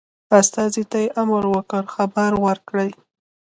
استازي ته امر وکړ خبر ورکړي.